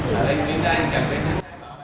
tại đây mình đang trả cái